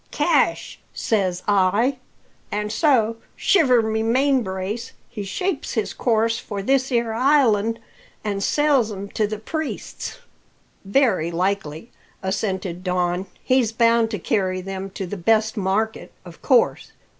Cash, says I. An' so, shiver my main brace, he shapes his course for this 'ere island, an' sells 'em to the priests." "Very likely," assented Don. "He's bound to carry them to the best market, of course."